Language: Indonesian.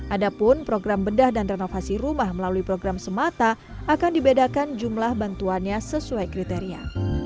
adapun program bedah dan renovasi rumah melalui program semata akan dibedakan jumlah bantuannya sesuai kriteria